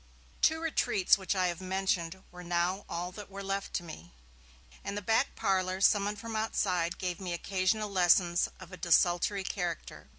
The two retreats which I have mentioned were now all that were left to me. In the back parlour someone from outside gave me occasional lessons of a desultory character.